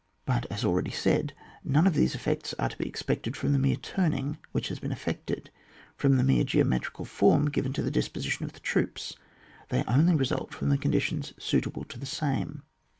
But as already said, none of these effects are to be expected from the mere turning which has been effected, from the mere geometrical form given to the disposition of the troops, they only result from the conditions suitable to the same.